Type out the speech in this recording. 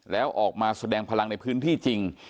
แล้วออกมาแสดงพลังในพื้นที่จริง